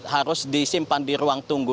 harus disimpan di ruang tunggu